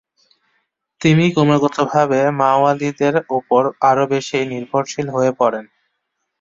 তিনি ক্রমাগতভাবে মাওয়ালিদের ওপর আরও বেশি নির্ভরশীল হয়ে পড়েন।